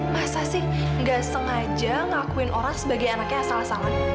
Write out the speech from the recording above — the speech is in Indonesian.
masa sih nggak sengaja ngakuin orang sebagai anaknya asal salah salah